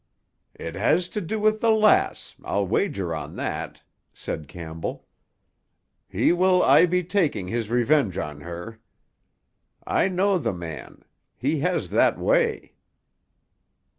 "It has to do with the lass; I'll wager on that," said Campbell. "He will aye be taking his revenge on her. I know the man; he has that way."